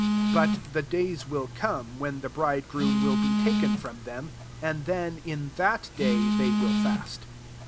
] 20 But the days will come, when the bridegroom will be taken from them ; and then, in that day, they will &st.